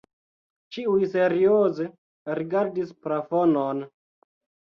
Ĉiuj serioze rigardis plafonon.